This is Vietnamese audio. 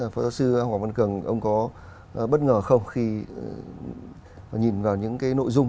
phó giáo sư hoàng văn cường ông có bất ngờ không khi nhìn vào những cái nội dung